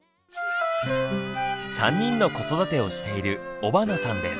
３人の子育てをしている尾花さんです。